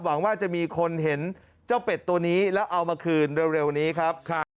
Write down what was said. หวังว่าจะมีคนเห็นเจ้าเป็ดตัวนี้แล้วเอามาคืนเร็วนี้ครับ